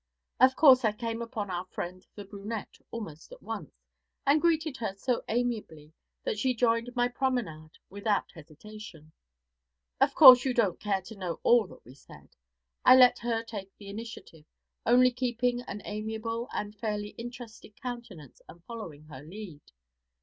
Of course I came upon our friend the brunette almost at once, and greeted her so amiably that she joined my promenade without hesitation. Of course you don't care to know all that we said. I let her take the initiative, only keeping an amiable and fairly interested countenance and following her lead.